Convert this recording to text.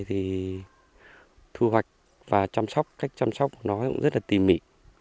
thì thu hoạch và chăm sóc cách chăm sóc của nó cũng rất là tỉ mỉ